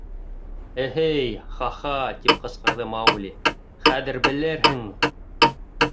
— Э-Һей, ха-ха! — тип ҡысҡырҙы Маугли, — хәҙер белерһең!